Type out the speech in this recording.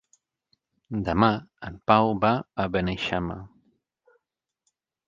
Demà en Pau va a Beneixama.